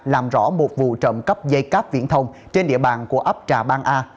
làm rõ một vụ trộm cắp dây cáp viễn thông trên địa bàn của ấp trà bang a